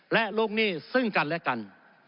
และลูกหนี้ซึ่งกันและกัน